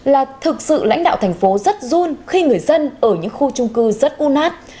là thực sự lãnh đạo thành phố rất run khi người dân ở những khu trung cư rất u nát